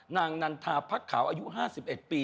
นางนันทาพักขาวอายุ๕๑ปี